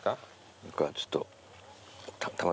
僕はちょっと。